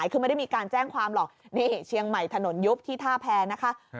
คือไม่ได้มีการแจ้งความหรอกนี่เชียงใหม่ถนนยุบที่ท่าแพรนะคะ